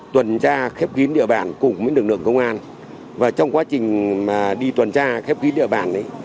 tuần tra khép kín địa bàn cùng với lực lượng công an và trong quá trình đi tuần tra khép kín địa bàn đấy